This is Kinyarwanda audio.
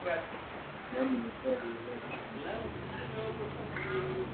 Nyamuneka reba iri jambo mu nkoranyamagambo.